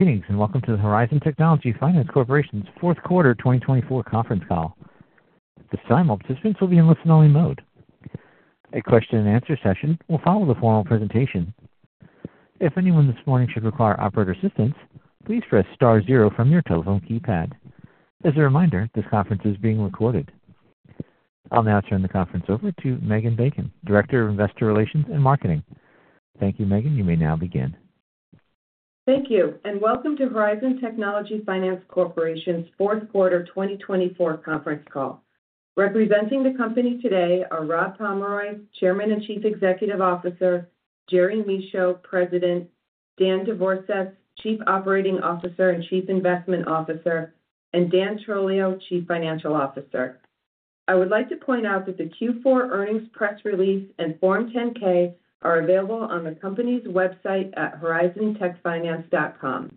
Greetings and welcome to the Horizon Technology Finance Corporation's Fourth Quarter 2024 Conference Call. At this time, all participants will be in listen-only mode. A question-and-answer session will follow the formal presentation. If anyone this morning should require operator assistance, please press star zero from your telephone keypad. As a reminder, this conference is being recorded. I'll now turn the conference over to Megan Bacon, Director of Investor Relations and Marketing. Thank you, Megan. You may now begin. Thank you, and welcome to Horizon Technology Finance Corporation's Fourth Quarter 2024 Conference Call. Representing the company today are Rob Pomeroy, Chairman and Chief Executive Officer; Jerry Michaud, President; Dan Devorsetz, Chief Operating Officer and Chief Investment Officer; and Dan Trolio, Chief Financial Officer. I would like to point out that the Q4 earnings press release and Form 10-K are available on the company's website at horizontechfinance.com.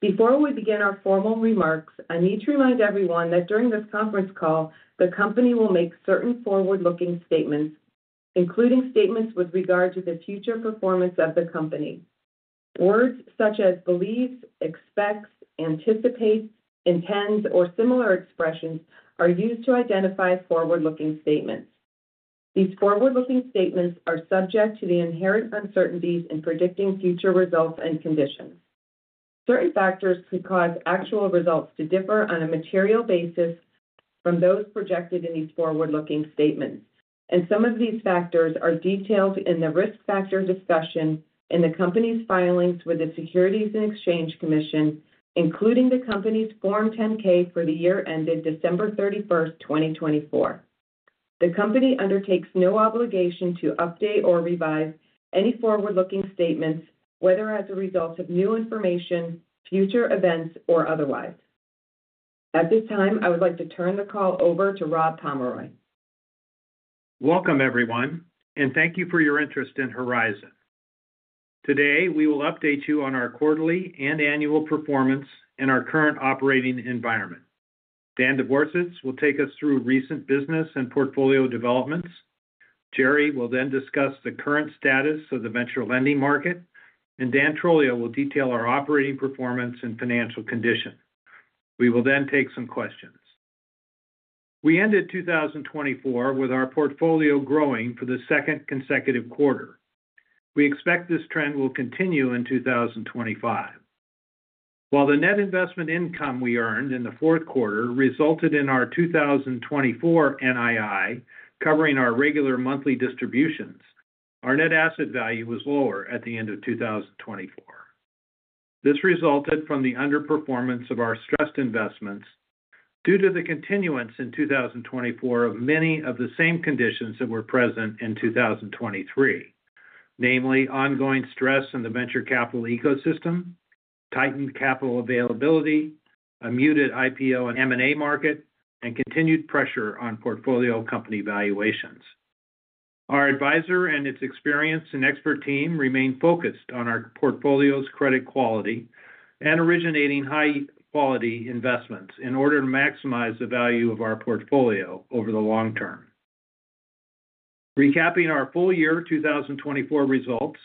Before we begin our formal remarks, I need to remind everyone that during this conference call, the company will make certain forward-looking statements, including statements with regard to the future performance of the company. Words such as believes, expects, anticipates, intends, or similar expressions are used to identify forward-looking statements. These forward-looking statements are subject to the inherent uncertainties in predicting future results and conditions. Certain factors could cause actual results to differ on a material basis from those projected in these forward-looking statements, and some of these factors are detailed in the risk factor discussion in the company's filings with the Securities and Exchange Commission, including the company's Form 10-K for the year ended December 31, 2024. The company undertakes no obligation to update or revise any forward-looking statements, whether as a result of new information, future events, or otherwise. At this time, I would like to turn the call over to Rob Pomeroy. Welcome, everyone, and thank you for your interest in Horizon. Today, we will update you on our quarterly and annual performance in our current operating environment. Dan Devorsetz will take us through recent business and portfolio developments. Jerry will then discuss the current status of the venture lending market, and Dan Trolio will detail our operating performance and financial condition. We will then take some questions. We ended 2024 with our portfolio growing for the second consecutive quarter. We expect this trend will continue in 2025. While the net investment income we earned in the fourth quarter resulted in our 2024 NII covering our regular monthly distributions, our net asset value was lower at the end of 2024. This resulted from the underperformance of our stressed investments due to the continuance in 2024 of many of the same conditions that were present in 2023, namely ongoing stress in the venture capital ecosystem, tightened capital availability, a muted IPO and M&A market, and continued pressure on portfolio company valuations. Our advisor and its experienced and expert team remain focused on our portfolio's credit quality and originating high-quality investments in order to maximize the value of our portfolio over the long term. Recapping our full year 2024 results,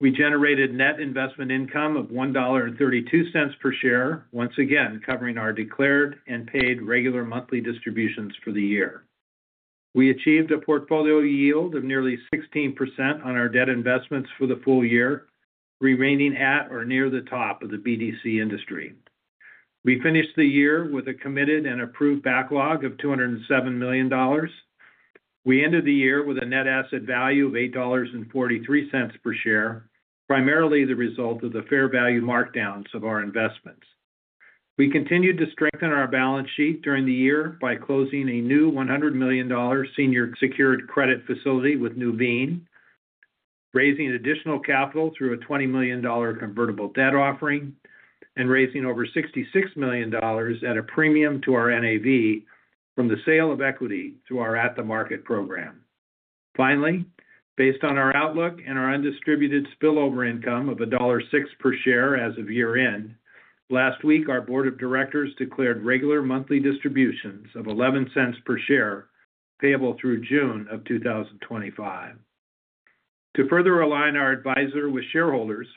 we generated net investment income of $1.32 per share, once again covering our declared and paid regular monthly distributions for the year. We achieved a portfolio yield of nearly 16% on our debt investments for the full year, remaining at or near the top of the BDC industry. We finished the year with a committed and approved backlog of $207 million. We ended the year with a net asset value of $8.43 per share, primarily the result of the fair value markdowns of our investments. We continued to strengthen our balance sheet during the year by closing a new $100 million senior secured credit facility with Nuveen, raising additional capital through a $20 million convertible debt offering, and raising over $66 million at a premium to our NAV from the sale of equity through our at-the-market program. Finally, based on our outlook and our undistributed spillover income of $1.06 per share as of year-end, last week our board of directors declared regular monthly distributions of $0.11 per share payable through June of 2025. To further align our advisor with shareholders,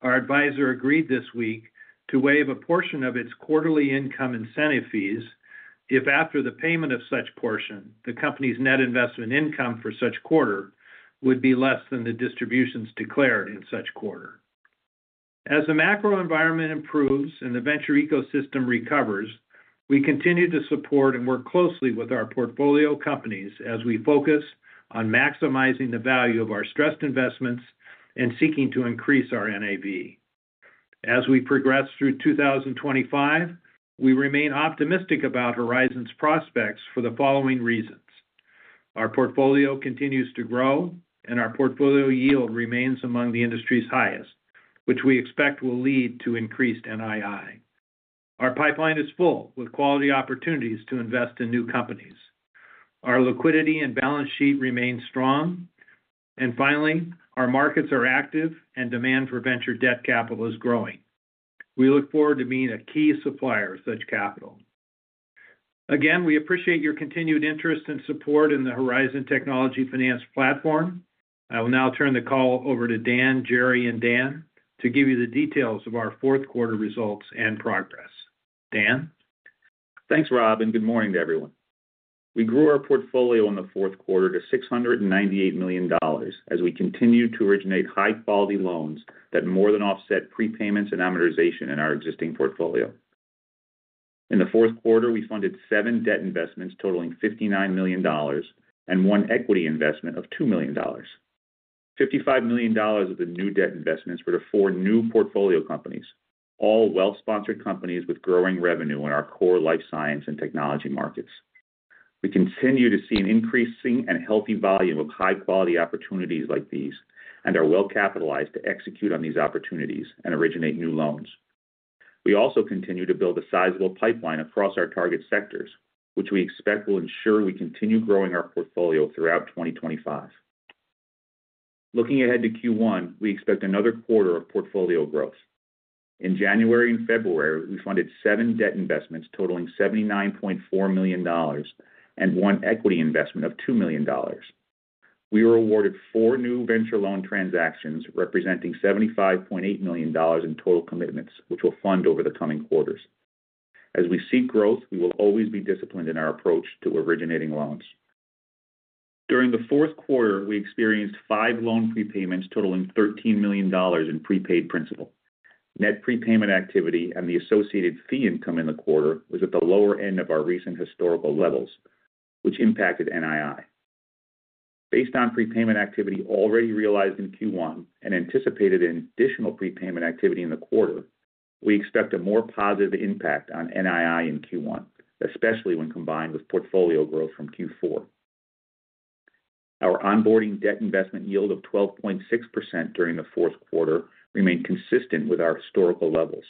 our advisor agreed this week to waive a portion of its quarterly income incentive fees if, after the payment of such portion, the company's net investment income for such quarter would be less than the distributions declared in such quarter. As the macro environment improves and the venture ecosystem recovers, we continue to support and work closely with our portfolio companies as we focus on maximizing the value of our stressed investments and seeking to increase our NAV. As we progress through 2025, we remain optimistic about Horizon's prospects for the following reasons: our portfolio continues to grow, and our portfolio yield remains among the industry's highest, which we expect will lead to increased NII. Our pipeline is full with quality opportunities to invest in new companies. Our liquidity and balance sheet remain strong. Finally, our markets are active, and demand for venture debt capital is growing. We look forward to being a key supplier of such capital. Again, we appreciate your continued interest and support in the Horizon Technology Finance platform. I will now turn the call over to Dan, Jerry, and Dan to give you the details of our fourth quarter results and progress. Dan? Thanks, Rob, and good morning to everyone. We grew our portfolio in the fourth quarter to $698 million as we continued to originate high-quality loans that more than offset prepayments and amortization in our existing portfolio. In the fourth quarter, we funded seven debt investments totaling $59 million and one equity investment of $2 million. $55 million of the new debt investments were to four new portfolio companies, all well-sponsored companies with growing revenue in our core life science and technology markets. We continue to see an increasing and healthy volume of high-quality opportunities like these and are well-capitalized to execute on these opportunities and originate new loans. We also continue to build a sizable pipeline across our target sectors, which we expect will ensure we continue growing our portfolio throughout 2025. Looking ahead to Q1, we expect another quarter of portfolio growth. In January and February, we funded seven debt investments totaling $79.4 million and one equity investment of $2 million. We were awarded four new venture loan transactions representing $75.8 million in total commitments, which we'll fund over the coming quarters. As we seek growth, we will always be disciplined in our approach to originating loans. During the fourth quarter, we experienced five loan prepayments totaling $13 million in prepaid principal. Net prepayment activity and the associated fee income in the quarter was at the lower end of our recent historical levels, which impacted NII. Based on prepayment activity already realized in Q1 and anticipated in additional prepayment activity in the quarter, we expect a more positive impact on NII in Q1, especially when combined with portfolio growth from Q4. Our onboarding debt investment yield of 12.6% during the fourth quarter remained consistent with our historical levels.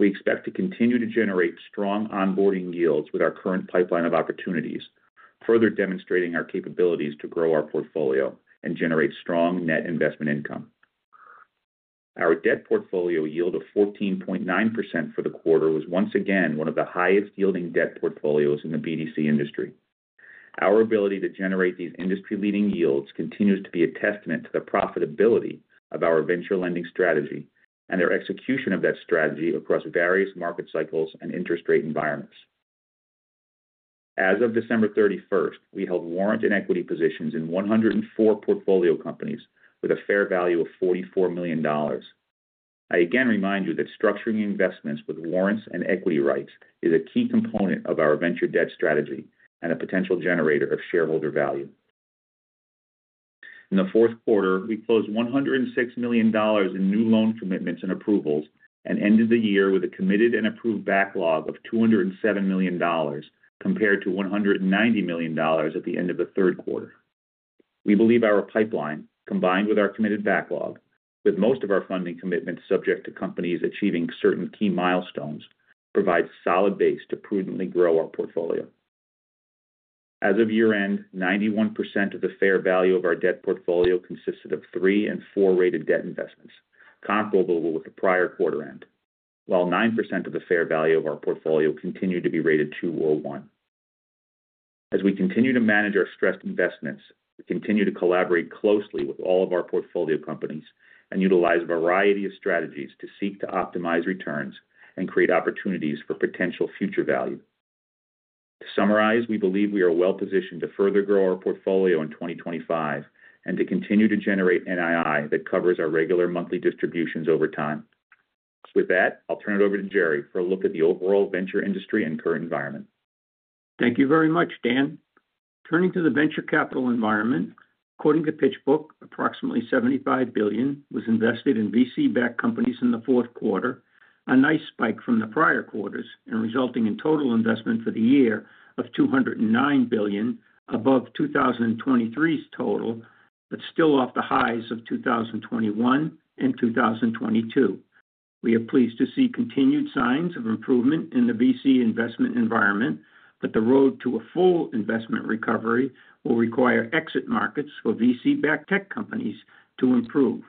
We expect to continue to generate strong onboarding yields with our current pipeline of opportunities, further demonstrating our capabilities to grow our portfolio and generate strong net investment income. Our debt portfolio yield of 14.9% for the quarter was once again one of the highest-yielding debt portfolios in the BDC industry. Our ability to generate these industry-leading yields continues to be a testament to the profitability of our venture lending strategy and our execution of that strategy across various market cycles and interest rate environments. As of December 31, we held warrant and equity positions in 104 portfolio companies with a fair value of $44 million. I again remind you that structuring investments with warrants and equity rights is a key component of our venture debt strategy and a potential generator of shareholder value. In the fourth quarter, we closed $106 million in new loan commitments and approvals and ended the year with a committed and approved backlog of $207 million compared to $190 million at the end of the third quarter. We believe our pipeline, combined with our committed backlog, with most of our funding commitments subject to companies achieving certain key milestones, provides a solid base to prudently grow our portfolio. As of year-end, 91% of the fair value of our debt portfolio consisted of three and four-rated debt investments, comparable with the prior quarter-end, while 9% of the fair value of our portfolio continued to be rated 2 or 1. As we continue to manage our stressed investments, we continue to collaborate closely with all of our portfolio companies and utilize a variety of strategies to seek to optimize returns and create opportunities for potential future value. To summarize, we believe we are well-positioned to further grow our portfolio in 2025 and to continue to generate NII that covers our regular monthly distributions over time. With that, I'll turn it over to Jerry for a look at the overall venture industry and current environment. Thank you very much, Dan. Turning to the venture capital environment, according to PitchBook, approximately $75 billion was invested in VC-backed companies in the fourth quarter, a nice spike from the prior quarters, and resulting in total investment for the year of $209 billion, above 2023's total but still off the highs of 2021 and 2022. We are pleased to see continued signs of improvement in the VC investment environment, but the road to a full investment recovery will require exit markets for VC-backed tech companies to improve,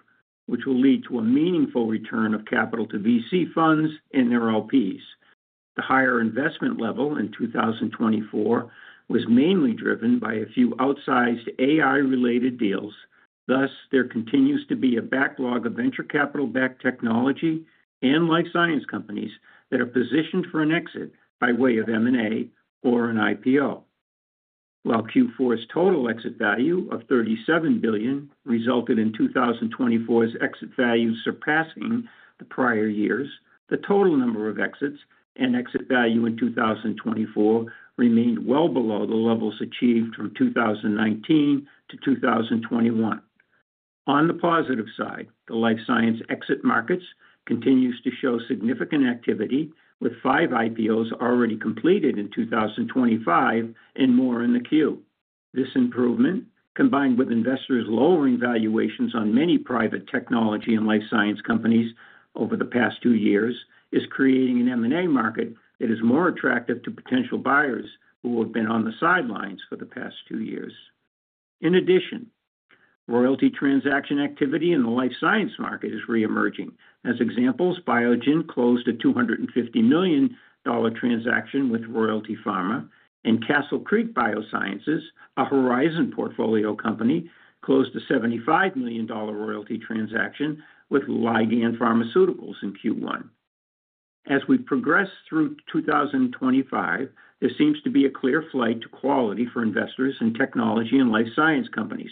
which will lead to a meaningful return of capital to VC funds and their LPs. The higher investment level in 2024 was mainly driven by a few outsized AI-related deals. Thus, there continues to be a backlog of venture capital-backed technology and life science companies that are positioned for an exit by way of M&A or an IPO. While Q4's total exit value of $37 billion resulted in 2024's exit value surpassing the prior years, the total number of exits and exit value in 2024 remained well below the levels achieved from 2019 to 2021. On the positive side, the life science exit markets continue to show significant activity, with five IPOs already completed in 2025 and more in the queue. This improvement, combined with investors lowering valuations on many private technology and life science companies over the past two years, is creating an M&A market that is more attractive to potential buyers who have been on the sidelines for the past two years. In addition, royalty transaction activity in the life science market is re-emerging. As examples, Biogen closed a $250 million transaction with Royalty Pharma, and Castle Creek Biosciences, a Horizon portfolio company, closed a $75 million royalty transaction with Ligand Pharmaceuticals in Q1. As we progress through 2025, there seems to be a clear flight to quality for investors in technology and life science companies,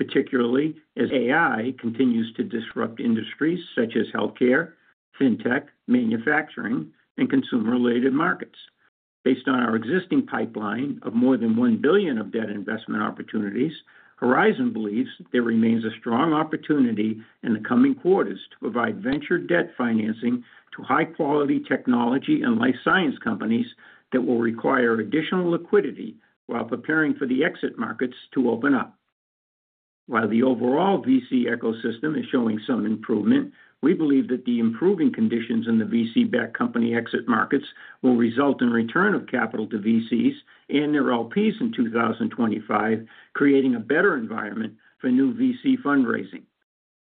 particularly as AI continues to disrupt industries such as healthcare, fintech, manufacturing, and consumer-related markets. Based on our existing pipeline of more than $1 billion of debt investment opportunities, Horizon believes there remains a strong opportunity in the coming quarters to provide venture debt financing to high-quality technology and life science companies that will require additional liquidity while preparing for the exit markets to open up. While the overall VC ecosystem is showing some improvement, we believe that the improving conditions in the VC-backed company exit markets will result in return of capital to VCs and their LPs in 2025, creating a better environment for new VC fundraising.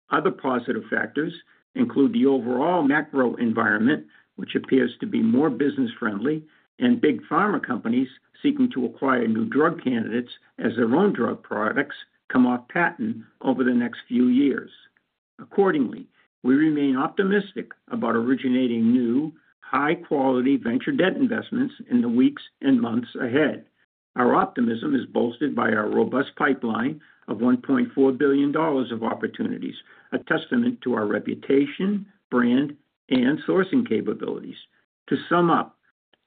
Other positive factors include the overall macro environment, which appears to be more business-friendly, and big pharma companies seeking to acquire new drug candidates as their own drug products come off patent over the next few years. Accordingly, we remain optimistic about originating new, high-quality venture debt investments in the weeks and months ahead. Our optimism is bolstered by our robust pipeline of $1.4 billion of opportunities, a testament to our reputation, brand, and sourcing capabilities. To sum up,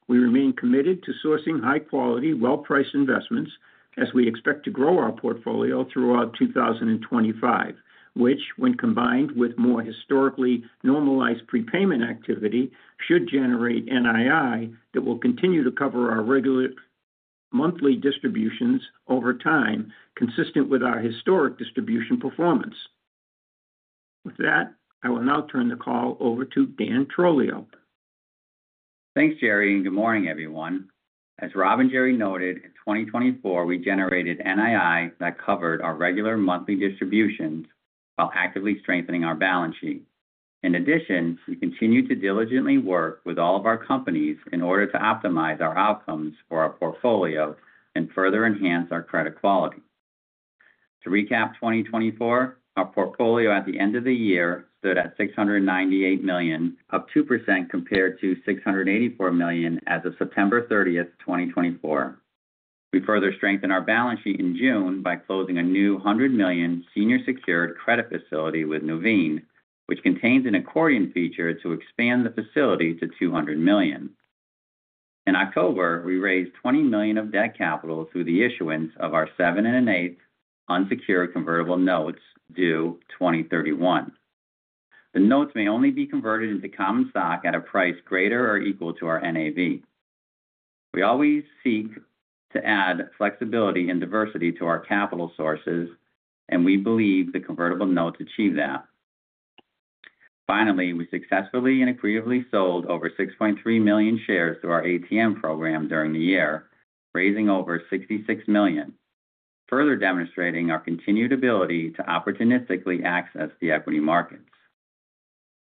we remain committed to sourcing high-quality, well-priced investments as we expect to grow our portfolio throughout 2025, which, when combined with more historically normalized prepayment activity, should generate NII that will continue to cover our regular monthly distributions over time, consistent with our historic distribution performance. With that, I will now turn the call over to Dan Trolio. Thanks, Jerry, and good morning, everyone. As Rob and Jerry noted, in 2024, we generated NII that covered our regular monthly distributions while actively strengthening our balance sheet. In addition, we continue to diligently work with all of our companies in order to optimize our outcomes for our portfolio and further enhance our credit quality. To recap 2024, our portfolio at the end of the year stood at $698 million, up 2% compared to $684 million as of September 30th, 2024. We further strengthened our balance sheet in June by closing a new $100 million senior secured credit facility with Nuveen, which contains an accordion feature to expand the facility to $200 million. In October, we raised $20 million of debt capital through the issuance of our seven and an eighth unsecured convertible notes due 2031. The notes may only be converted into common stock at a price greater or equal to our NAV. We always seek to add flexibility and diversity to our capital sources, and we believe the convertible notes achieve that. Finally, we successfully and accretively sold over 6.3 million shares through our ATM program during the year, raising over $66 million, further demonstrating our continued ability to opportunistically access the equity markets.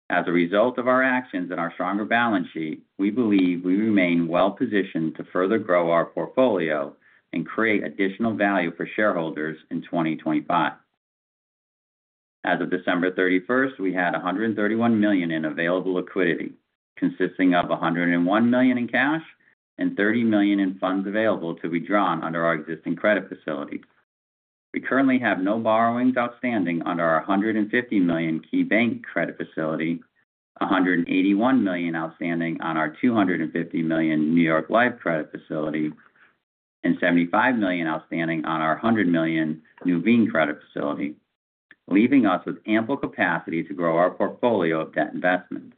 As a result of our actions and our stronger balance sheet, we believe we remain well-positioned to further grow our portfolio and create additional value for shareholders in 2025. As of December 31st, we had $131 million in available liquidity, consisting of $101 million in cash and $30 million in funds available to be drawn under our existing credit facility. We currently have no borrowings outstanding under our $150 million KeyBank credit facility, $181 million outstanding on our $250 million New York Life credit facility, and $75 million outstanding on our $100 million Nuveen credit facility, leaving us with ample capacity to grow our portfolio of debt investments.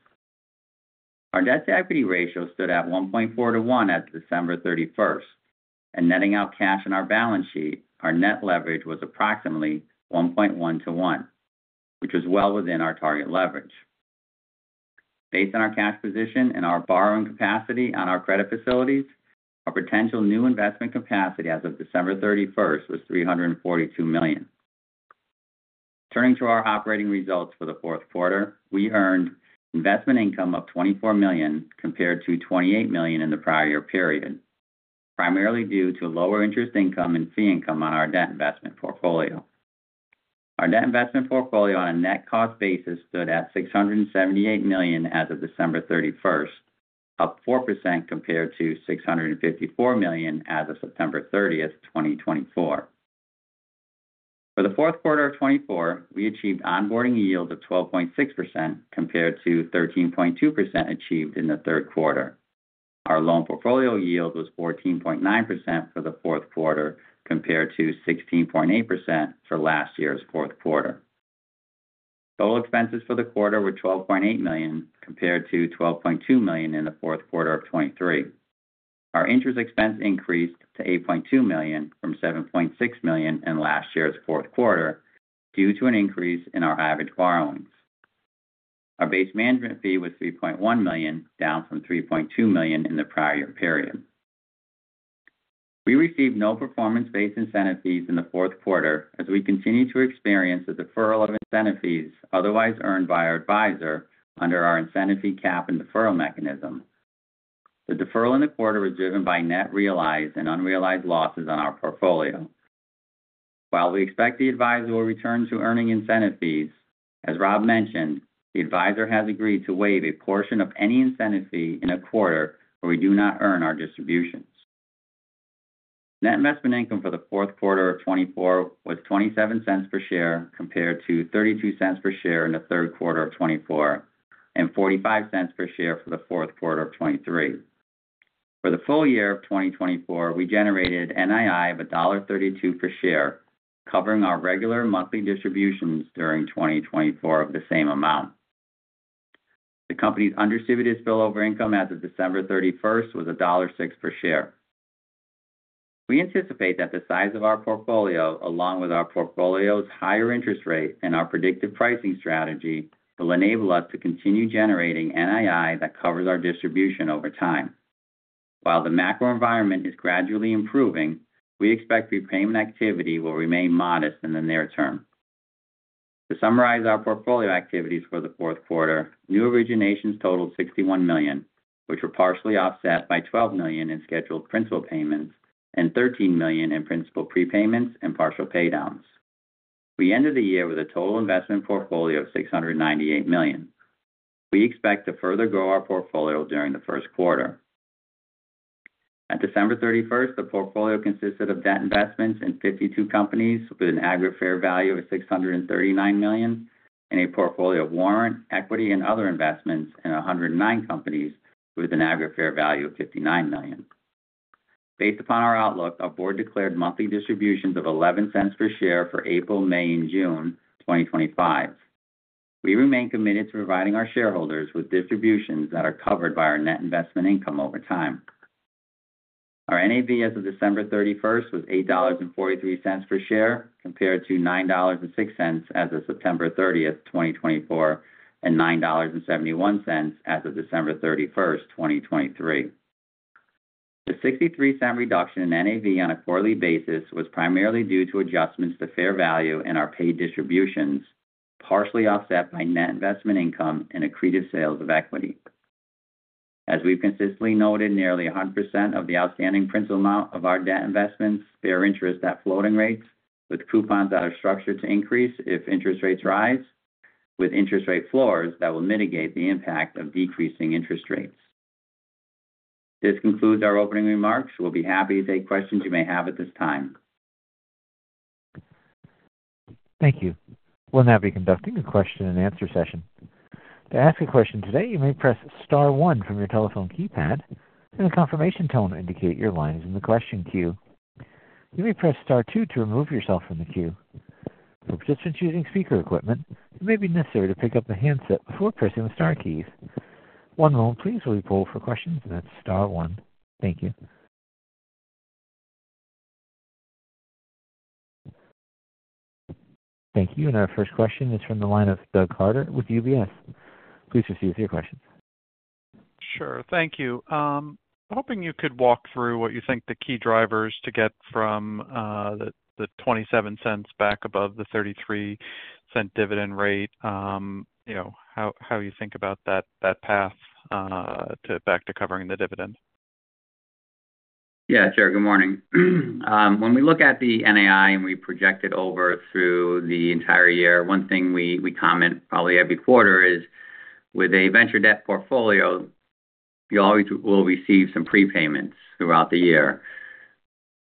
Our debt-to-equity ratio stood at 1.4 to 1 at December 31, and netting out cash in our balance sheet, our net leverage was approximately 1.1 to 1, which was well within our target leverage. Based on our cash position and our borrowing capacity on our credit facilities, our potential new investment capacity as of December 31st was $342 million. Turning to our operating results for the fourth quarter, we earned investment income of $24 million compared to $28 million in the prior period, primarily due to lower interest income and fee income on our debt investment portfolio. Our debt investment portfolio on a net cost basis stood at $678 million as of December 31, up 4% compared to $654 million as of September 30, 2024. For the fourth quarter of 2024, we achieved onboarding yields of 12.6% compared to 13.2% achieved in the third quarter. Our loan portfolio yield was 14.9% for the fourth quarter compared to 16.8% for last year's fourth quarter. Total expenses for the quarter were $12.8 million compared to $12.2 million in the fourth quarter of 2023. Our interest expense increased to $8.2 million from $7.6 million in last year's fourth quarter due to an increase in our average borrowings. Our base management fee was $3.1 million, down from $3.2 million in the prior year period. We received no performance-based incentive fees in the fourth quarter, as we continue to experience a deferral of incentive fees otherwise earned by our advisor under our incentive fee cap and deferral mechanism. The deferral in the quarter was driven by net realized and unrealized losses on our portfolio. While we expect the advisor will return to earning incentive fees, as Rob mentioned, the advisor has agreed to waive a portion of any incentive fee in a quarter where we do not earn our distributions. Net investment income for the fourth quarter of 2024 was $0.27 per share compared to $0.32 per share in the third quarter of 2024 and $0.45 per share for the fourth quarter of 2023. For the full year of 2024, we generated NII of $1.32 per share, covering our regular monthly distributions during 2024 of the same amount. The company's undistributed spillover income as of December 31 was $1.06 per share. We anticipate that the size of our portfolio, along with our portfolio's higher interest rate and our predictive pricing strategy, will enable us to continue generating NII that covers our distribution over time. While the macro environment is gradually improving, we expect prepayment activity will remain modest in the near term. To summarize our portfolio activities for the fourth quarter, new originations totaled $61 million, which were partially offset by $12 million in scheduled principal payments and $13 million in principal prepayments and partial paydowns. We ended the year with a total investment portfolio of $698 million. We expect to further grow our portfolio during the first quarter. At December 31st, the portfolio consisted of debt investments in 52 companies with an aggregate fair value of $639 million and a portfolio of warrant, equity, and other investments in 109 companies with an aggregate fair value of $59 million. Based upon our outlook, our board declared monthly distributions of $0.11 per share for April, May, and June 2025. We remain committed to providing our shareholders with distributions that are covered by our net investment income over time. Our NAV as of December 31st was $8.43 per share compared to $9.06 as of September 30th, 2024, and $9.71 as of December 31st, 2023. The $0.63 reduction in NAV on a quarterly basis was primarily due to adjustments to fair value in our paid distributions, partially offset by net investment income and accretive sales of equity. As we've consistently noted, nearly 100% of the outstanding principal amount of our debt investments bear interest at floating rates, with coupons that are structured to increase if interest rates rise, with interest rate floors that will mitigate the impact of decreasing interest rates. This concludes our opening remarks. We'll be happy to take questions you may have at this time. Thank you. We'll now be conducting a question-and-answer session. To ask a question today, you may press Star 1 from your telephone keypad and a confirmation tone to indicate your line is in the question queue. You may press Star 2 to remove yourself from the queue. For participants using speaker equipment, it may be necessary to pick up the handset before pressing the Star keys. One moment, please, while we pull for questions, and that's Star 1. Thank you. Our first question is from the line of Doug Carter with UBS. Please proceed with your questions. Sure. Thank you. Hoping you could walk through what you think the key drivers to get from the $0.27 back above the $0.33 dividend rate, how you think about that path back to covering the dividend. Yeah, sure. Good morning. When we look at the NII and we project it over through the entire year, one thing we comment probably every quarter is, with a venture debt portfolio, you always will receive some prepayments throughout the year.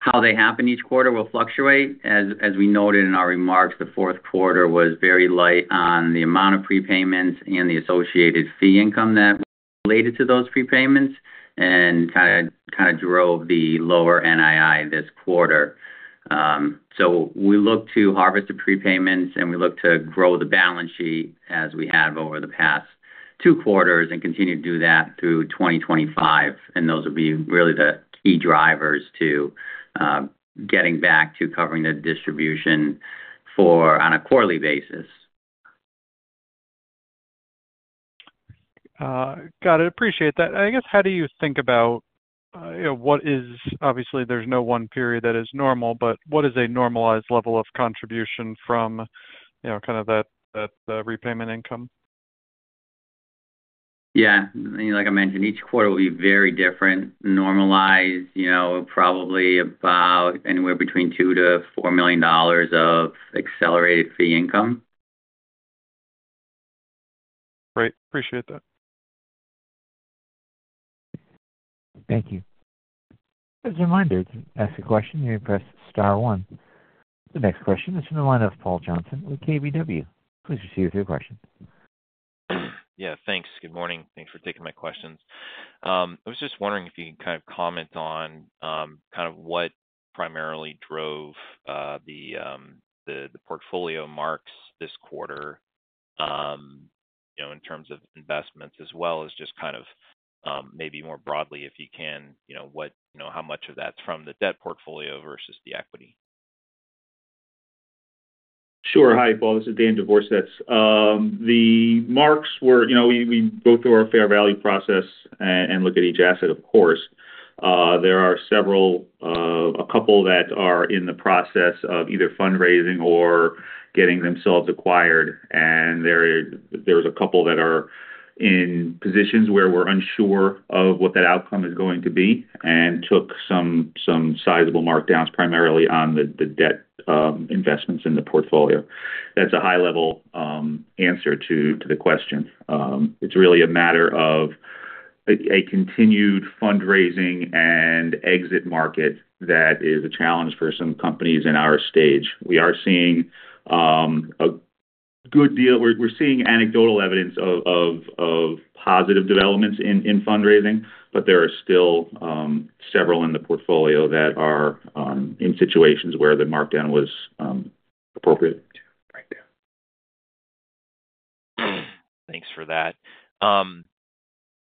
How they happen each quarter will fluctuate. As we noted in our remarks, the fourth quarter was very light on the amount of prepayments and the associated fee income that was related to those prepayments and kind of drove the lower NII this quarter. We look to harvest the prepayments, and we look to grow the balance sheet as we have over the past two quarters and continue to do that through 2025. Those will be really the key drivers to getting back to covering the distribution on a quarterly basis. Got it. Appreciate that. I guess, how do you think about what is obviously, there's no one period that is normal, but what is a normalized level of contribution from kind of that repayment income? Yeah. Like I mentioned, each quarter will be very different. Normalized, probably about anywhere between $2 million to $4 million of accelerated fee income. Great. Appreciate that. Thank you. As a reminder, to ask a question, you may press Star 1. The next question is from the line of Paul Johnson with KBW. Please proceed with your question. Yeah. Thanks. Good morning. Thanks for taking my questions. I was just wondering if you can kind of comment on kind of what primarily drove the portfolio marks this quarter in terms of investments, as well as just kind of maybe more broadly, if you can, how much of that's from the debt portfolio versus the equity. Sure. Hi, Paul. This is Dan Devorsetz. The marks were we go through our fair value process and look at each asset, of course. There are a couple that are in the process of either fundraising or getting themselves acquired. There are a couple that are in positions where we're unsure of what that outcome is going to be and took some sizable markdowns, primarily on the debt investments in the portfolio. That's a high-level answer to the question. It's really a matter of a continued fundraising and exit market that is a challenge for some companies in our stage. We are seeing a good deal. We're seeing anecdotal evidence of positive developments in fundraising, but there are still several in the portfolio that are in situations where the markdown was appropriate. Thanks for that.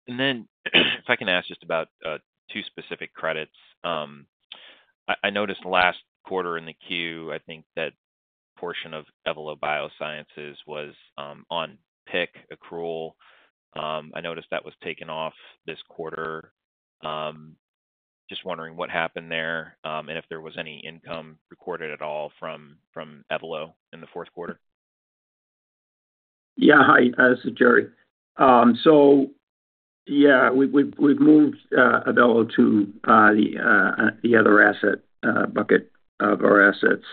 If I can ask just about two specific credits. I noticed last quarter in the queue, I think that portion of Evelo Biosciences was on non-accrual. I noticed that was taken off this quarter. Just wondering what happened there and if there was any income recorded at all from Evelo in the fourth quarter. Yeah. Hi. This is Jerry. Yeah, we've moved Evelo to the other asset bucket of our assets.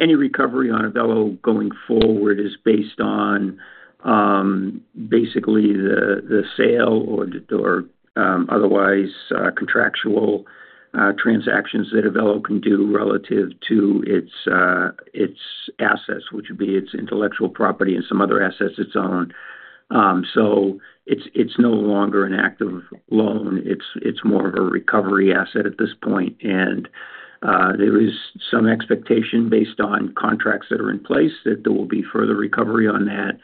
Any recovery on Evelo going forward is based on basically the sale or otherwise contractual transactions that Evelo can do relative to its assets, which would be its intellectual property and some other assets it's owned. It's no longer an active loan. It's more of a recovery asset at this point. There is some expectation based on contracts that are in place that there will be further recovery on that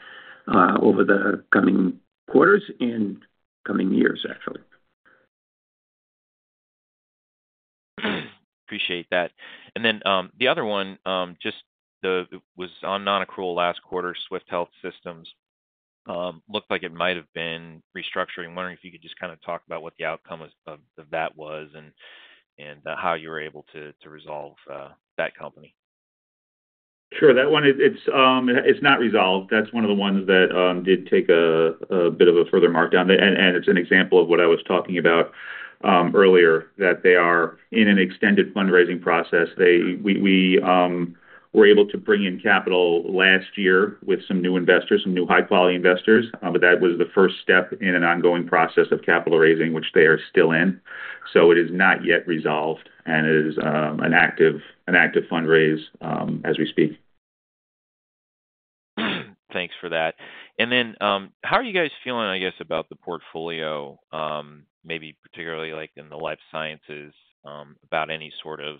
over the coming quarters and coming years, actually. Appreciate that. The other one, just it was on non-accrual last quarter, Swift Health Systems. Looked like it might have been restructuring. Wondering if you could just kind of talk about what the outcome of that was and how you were able to resolve that company. Sure. That one, it's not resolved. That's one of the ones that did take a bit of a further markdown. It's an example of what I was talking about earlier, that they are in an extended fundraising process. We were able to bring in capital last year with some new investors, some new high-quality investors, but that was the first step in an ongoing process of capital raising, which they are still in. It is not yet resolved, and it is an active fundraise as we speak. Thanks for that. How are you guys feeling, I guess, about the portfolio, maybe particularly in the life sciences, about any sort of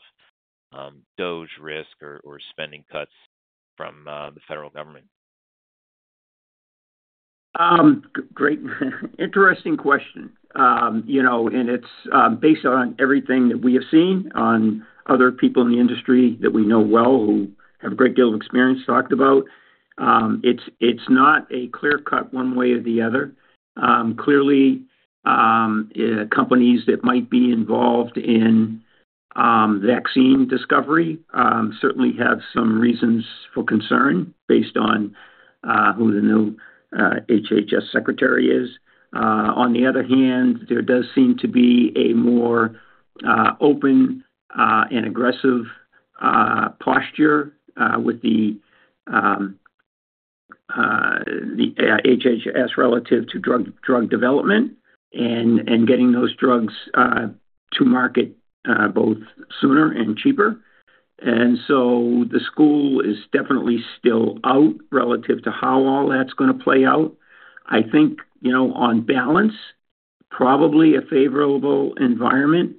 DoD risk or spending cuts from the federal government? Great. Interesting question. It's based on everything that we have seen on other people in the industry that we know well who have a great deal of experience talked about. It's not a clear-cut one way or the other. Clearly, companies that might be involved in vaccine discovery certainly have some reasons for concern based on who the new HHS secretary is. There does seem to be a more open and aggressive posture with the HHS relative to drug development and getting those drugs to market both sooner and cheaper. The school is definitely still out relative to how all that's going to play out. I think on balance, probably a favorable environment,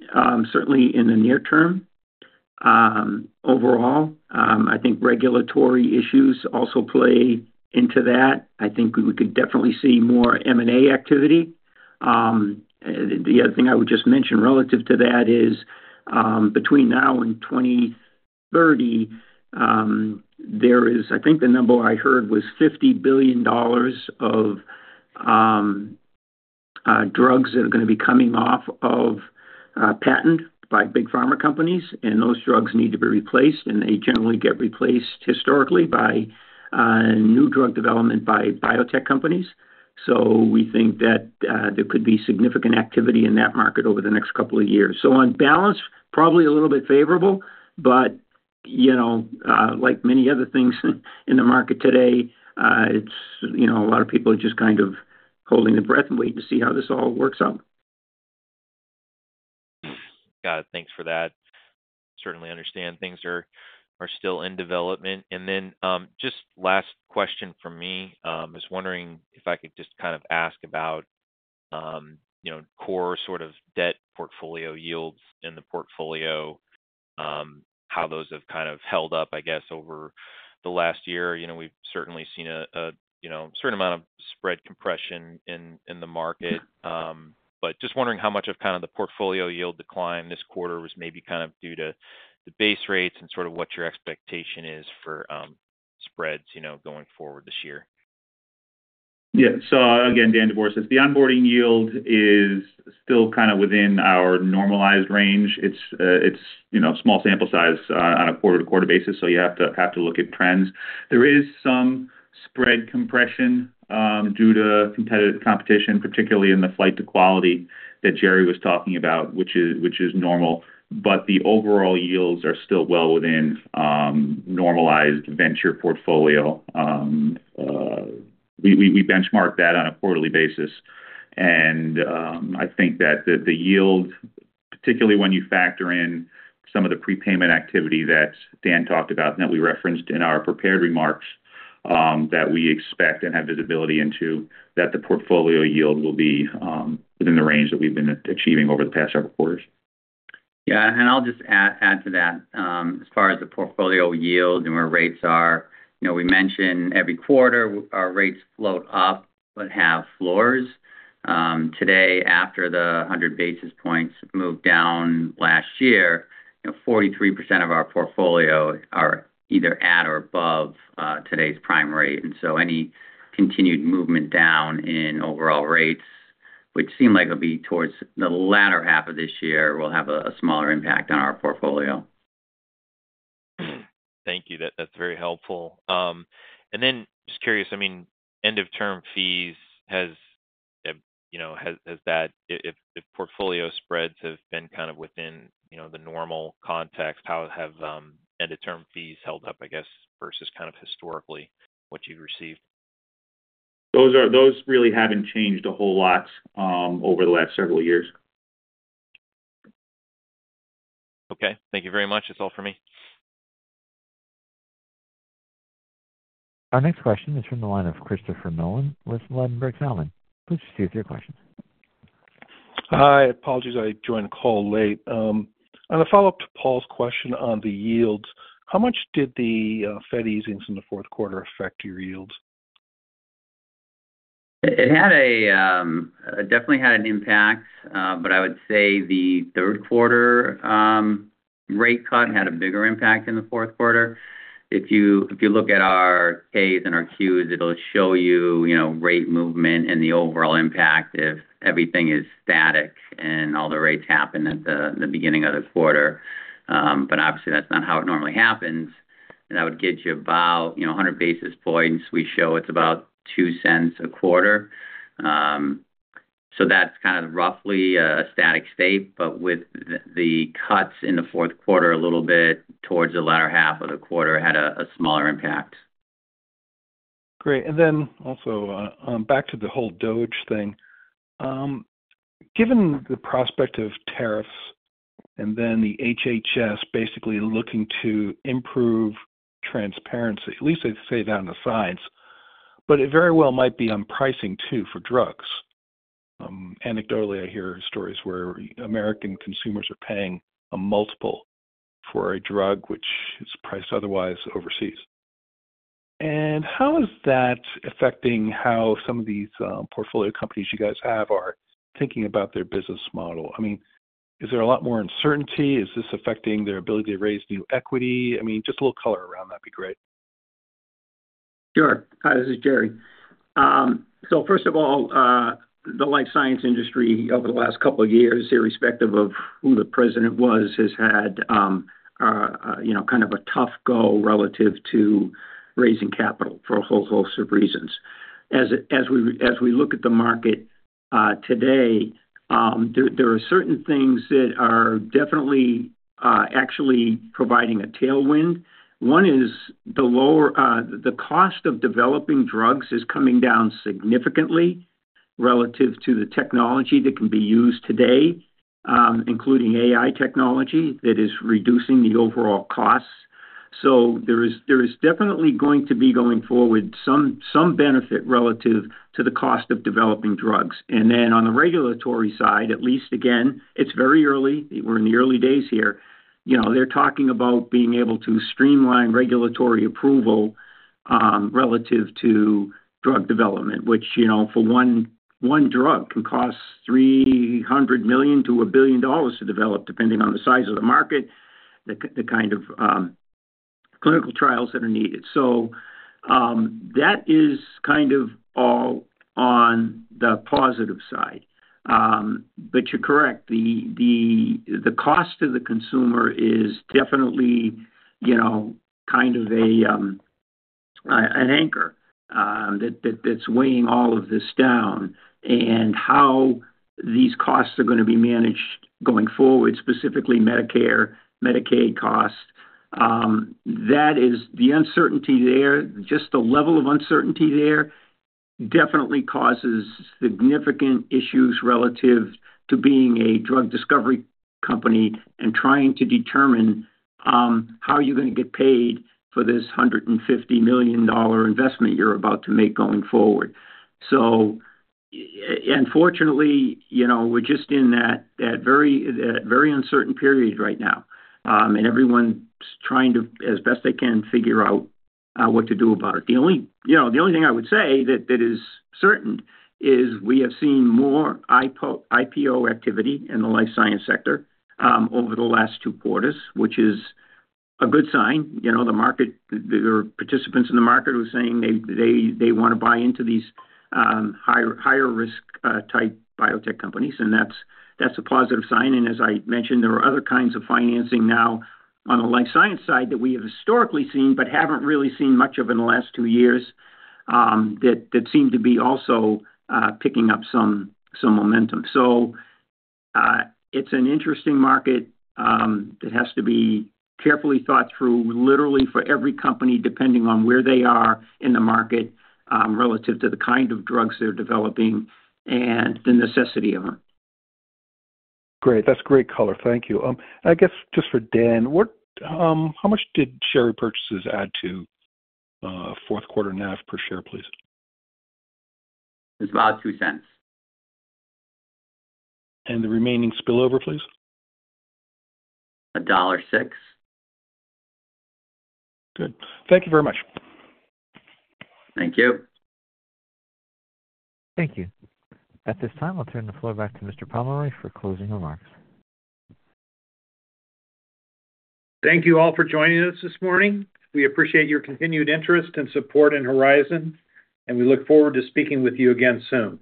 certainly in the near term. Overall, I think regulatory issues also play into that. I think we could definitely see more M&A activity. The other thing I would just mention relative to that is between now and 2030, there is, I think the number I heard was $50 billion of drugs that are going to be coming off of patent by big pharma companies, and those drugs need to be replaced. They generally get replaced historically by new drug development by biotech companies. We think that there could be significant activity in that market over the next couple of years. On balance, probably a little bit favorable, but like many other things in the market today, a lot of people are just kind of holding their breath and waiting to see how this all works out. Got it. Thanks for that. Certainly understand things are still in development. Just last question for me is wondering if I could just kind of ask about core sort of debt portfolio yields in the portfolio, how those have kind of held up, I guess, over the last year. We've certainly seen a certain amount of spread compression in the market. Just wondering how much of kind of the portfolio yield decline this quarter was maybe kind of due to the base rates and sort of what your expectation is for spreads going forward this year. Yeah. Again, Dan Devorsetz, the onboarding yield is still kind of within our normalized range. It's small sample size on a quarter-to-quarter basis, so you have to look at trends. There is some spread compression due to competition, particularly in the flight to quality that Jerry was talking about, which is normal. The overall yields are still well within normalized venture portfolio. We benchmark that on a quarterly basis. I think that the yield, particularly when you factor in some of the prepayment activity that Dan talked about and that we referenced in our prepared remarks that we expect and have visibility into, that the portfolio yield will be within the range that we've been achieving over the past several quarters. Yeah. I'll just add to that. As far as the portfolio yield and where rates are, we mentioned every quarter our rates float up but have floors. Today, after the 100 basis points moved down last year, 43% of our portfolio are either at or above today's prime rate. Any continued movement down in overall rates, which seem like it'll be towards the latter half of this year, will have a smaller impact on our portfolio. Thank you. That's very helpful. I mean, end-of-term fees, has that, if portfolio spreads have been kind of within the normal context, how have end-of-term fees held up, I guess, versus kind of historically what you've received? Those really haven't changed a whole lot over the last several years. Okay. Thank you very much. That's all for me. Our next question is from the line of Christopher Nolan with Ladenburg Thalmann. Please proceed with your questions. Hi. Apologies. I joined the call late. On a follow-up to Paul's question on the yields, how much did the Fed easings in the fourth quarter affect your yields? It definitely had an impact, but I would say the third quarter rate cut had a bigger impact in the fourth quarter. If you look at our Ks and our Qs, it'll show you rate movement and the overall impact if everything is static and all the rates happen at the beginning of the quarter. Obviously, that's not how it normally happens. That would get you about 100 basis points. We show it's about 2 cents a quarter. That's kind of roughly a static state. With the cuts in the fourth quarter, a little bit towards the latter half of the quarter had a smaller impact. Great. Also, back to the whole DOGE thing. Given the prospect of tariffs and then the HHS basically looking to improve transparency, at least they say that on the sides, but it very well might be on pricing too for drugs. Anecdotally, I hear stories where American consumers are paying a multiple for a drug which is priced otherwise overseas. How is that affecting how some of these portfolio companies you guys have are thinking about their business model? I mean, is there a lot more uncertainty? Is this affecting their ability to raise new equity? I mean, just a little color around that would be great. Sure. Hi. This is Jerry. First of all, the life science industry over the last couple of years, irrespective of who the president was, has had kind of a tough go relative to raising capital for a whole host of reasons. As we look at the market today, there are certain things that are definitely actually providing a tailwind. One is the cost of developing drugs is coming down significantly relative to the technology that can be used today, including AI technology that is reducing the overall costs. There is definitely going to be, going forward, some benefit relative to the cost of developing drugs. On the regulatory side, at least again, it's very early. We're in the early days here. They're talking about being able to streamline regulatory approval relative to drug development, which for one drug can cost $300 million to $1 billion to develop, depending on the size of the market, the kind of clinical trials that are needed. That is kind of all on the positive side. You're correct. The cost to the consumer is definitely kind of an anchor that's weighing all of this down. How these costs are going to be managed going forward, specifically Medicare, Medicaid costs, that is the uncertainty there. Just the level of uncertainty there definitely causes significant issues relative to being a drug discovery company and trying to determine how you're going to get paid for this $150 million investment you're about to make going forward. Unfortunately, we're just in that very uncertain period right now. Everyone's trying to, as best they can, figure out what to do about it. The only thing I would say that is certain is we have seen more IPO activity in the life science sector over the last two quarters, which is a good sign. The participants in the market were saying they want to buy into these higher-risk type biotech companies. That's a positive sign. As I mentioned, there are other kinds of financing now on the life science side that we have historically seen but haven't really seen much of in the last two years that seem to be also picking up some momentum. It's an interesting market that has to be carefully thought through literally for every company, depending on where they are in the market relative to the kind of drugs they're developing and the necessity of them. Great. That's great color. Thank you. I guess just for Dan, how much did share repurchases add to fourth quarter NAV per share, please? It's about $0.02. The remaining spillover, please? $1.06. Good. Thank you very much. Thank you. Thank you. At this time, I'll turn the floor back to Mr. Pomeroy for closing remarks. Thank you all for joining us this morning. We appreciate your continued interest and support in Horizon, and we look forward to speaking with you again soon.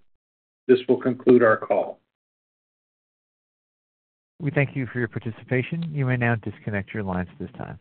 This will conclude our call. We thank you for your participation. You may now disconnect your lines at this time.